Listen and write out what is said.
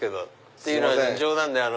っていうのは冗談で。